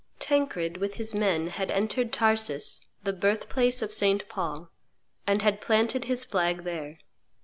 Tancred, with his men, had entered Tarsus, the birthplace of St. Paul, and had planted his flag there.